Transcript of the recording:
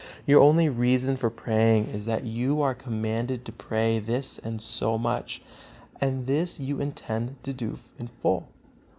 Your only reason for praying is that you are commanded to pray this and so much, and this you intend to do in full.